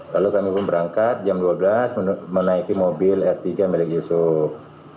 lalu kami pun berangkat jam dua belas menaiki mobil r tiga milik yusuf